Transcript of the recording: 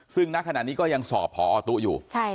ซึ่งณขณะนี้ก็ยังสอบพอตู้อยู่